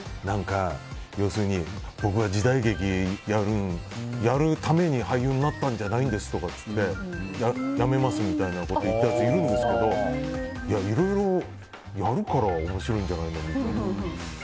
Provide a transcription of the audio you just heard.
要するに僕は時代劇をやるために俳優になったんじゃないんですって言って辞めますみたいなことを言ったやついるんですけどいや、いろいろやるから面白いんじゃないのみたいな。